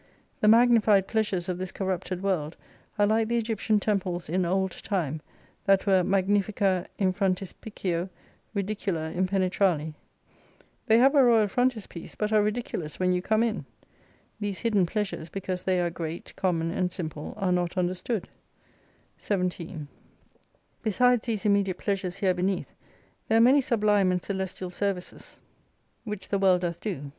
The magnified pleasures of this corrupted world, are like the Egyptian Temples in old time, that were Magnifica in frontispicio Ridicula in penetrali: They have a Royal frontispiece, but are ridiculous when you come in. These hidden plea sures, because they are great, common, and simple, are not understood. 17 Besides these immediate pleasures here beneath, there are many sublime and celestial services which 89 the world doth do.